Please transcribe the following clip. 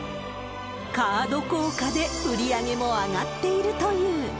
カード効果で売り上げも上がっているという。